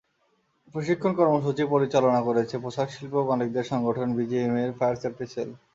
প্রশিক্ষণ কর্মসূচি পরিচালনা করেছে পোশাকশিল্প মালিকদের সংগঠন বিজিএমইএর ফায়ার সেফটি সেল।